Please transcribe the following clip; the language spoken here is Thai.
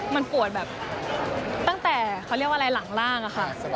มันปวดแบบตั้งแต่เขาเรียกว่าอะไรหลังร่างอะค่ะ